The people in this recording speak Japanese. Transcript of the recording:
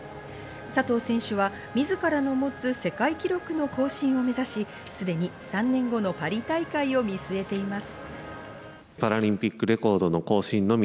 佐藤選手は自らの持つ世界記録の更新を目指し、すでに３年後のパリ大会を見据えています。